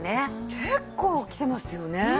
結構起きてますよね。